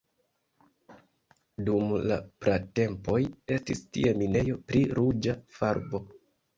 Dum la pratempoj estis tie minejo pri ruĝa farbo.